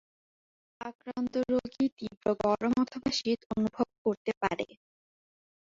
আক্রান্ত রোগী তীব্র গরম অথবা শীত অনুভব করতে পারে।